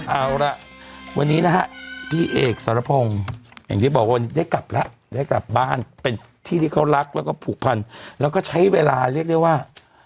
เอาละวันนี้นะฮะพี่เอกสรพงศ์อย่างที่บอกว่าได้กลับแล้วได้กลับบ้านเป็นที่ที่เขารักแล้วก็ผูกพันแล้วก็ใช้เวลาเรียกได้ว่า